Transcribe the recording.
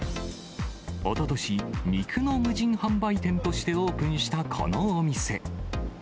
おととし、肉の無人販売店としてオープンしたこのお店。